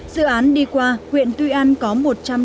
dự án đi qua huyện tuy an có một trăm linh một hộ dân